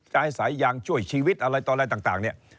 จะให้สายยางช่วยชีวิตอะไรต่อเลยต่าง